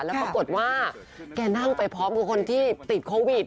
แล้วปรากฏว่าแกนั่งไปพร้อมกับคนที่ติดโควิด